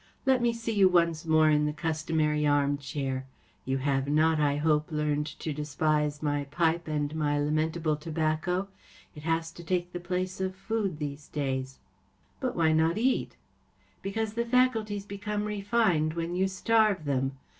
Let me see you once more in the customary armchair. You have not, I hope, learned to despise my pipe and my lamentable tobaccc ? It has to take the place of food these days.‚ÄĚ 44 But why not eat ? ‚ÄĚ 44 Because the faculties become refined when you starve them.